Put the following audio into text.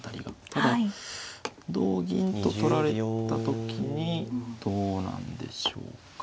ただ同銀と取られた時にどうなんでしょうか。